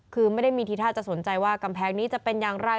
คือไม่ได้มีทีท่าจะสนใจว่ากำแพงนี้จะเป็นอย่างไร